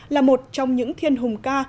là một trong những thiên hùng ca